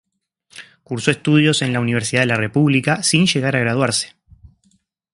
Cursó estudios en la Universidad de la República, sin llegar a graduarse.